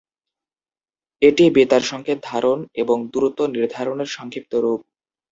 এটি বেতার সংকেত ধারণ এবং দূরত্ব নির্ধারণের সংক্ষিপ্ত রূপ।